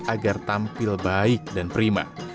agar tampil baik dan prima